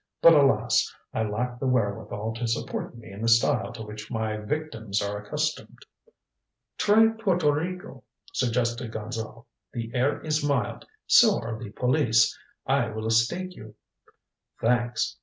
But alas, I lack the wherewithal to support me in the style to which my victims are accustomed." "Try Porto Rico," suggested Gonzale. "The air is mild so are the police. I will stake you." "Thanks.